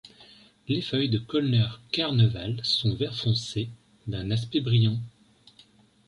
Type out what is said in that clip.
Les feuilles de 'Kölner Karneval' sont vert foncé d'un aspect brillant.